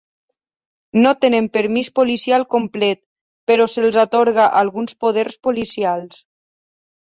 No tenen permís policial complet, però se'ls atorga alguns poders policials.